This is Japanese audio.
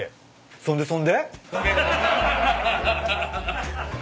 そんでそんで？